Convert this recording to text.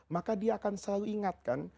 maka dia akan selalu ingatkan